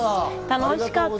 楽しかった。